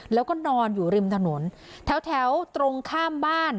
แล้วก็นอนอยู่ริมถนนแถวตรงข้ามบ้าน